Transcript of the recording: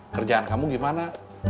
kerjaan kamu gimana